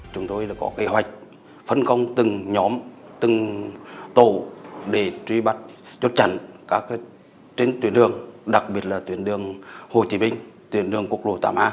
chúng tôi có kế hoạch phân công từng nhóm từng tổ để truy bắt chốt chặn trên tuyến đường đặc biệt là tuyến đường hồ chí minh tuyến đường quốc lộ tám a